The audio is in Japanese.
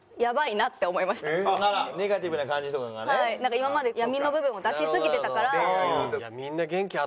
今まで闇の部分を出しすぎてたから。